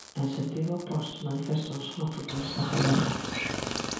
En sentido oposto manifestouse unha futbolista galega.